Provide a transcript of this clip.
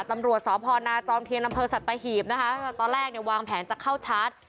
ตำรวจสพนาจอมเทียนอำเภอสัตหีบนะคะตอนแรกเนี่ยวางแผนจะเข้าชาร์จ